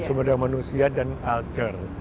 sumber daya manusia dan culture